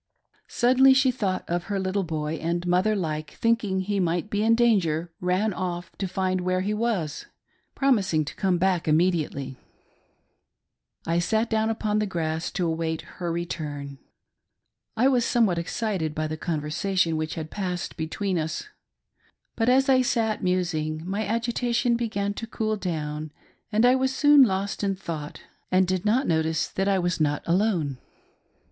Suddenly she thought of her little boy, and, mother like, thinking he might be in danger, ran off to find where he was, promising to come back immediately. I sat down upon the grass to await her return. I was somewhat excited by the conversation which had passed between us ; but as I sat musing my agitation began to cool down and I was soon lost in thought and did not notice that I was not alone.